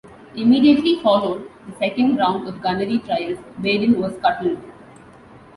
Immediately following the second round of gunnery trials, "Baden" was scuttled.